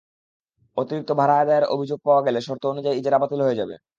অতিরিক্ত ভাড়া আদায়ের অভিযোগ পাওয়া গেলে শর্ত অনুযায়ী ইজারা বাতিল হয়ে যাবে।